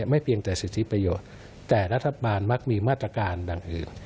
ไม่เพียงแต่สิทธิประโยชน์แต่รัฐบาลมักมีมาตรการดังอื่น